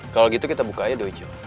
kalau gitu kita buka aja dojo